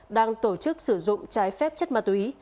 đang tổ chức sử dụng trái phép chất ma túy